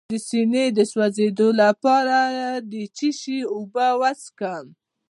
د سینې د سوځیدو لپاره د څه شي اوبه وڅښم؟